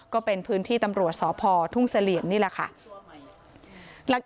ก็เป็นพื้นที่ตำรวจสพทุ่งเสลี่ยมนี่แหละค่ะ